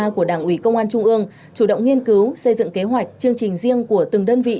của đảng ủy công an trung ương chủ động nghiên cứu xây dựng kế hoạch chương trình riêng của từng đơn vị